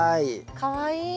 かわいい。